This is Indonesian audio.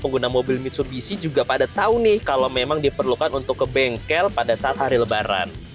pengguna mobil mitsubishi juga pada tahu nih kalau memang diperlukan untuk ke bengkel pada saat hari lebaran